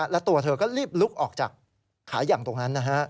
และตัวเธอก็รีบลุกออกจากขาย่างตรงนั้น